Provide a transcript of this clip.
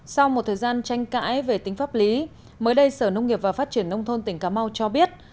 sau một thời gian tranh cãi về tính pháp lý mới đây sở nông nghiệp và phát triển nông thôn tỉnh cà mau cho biết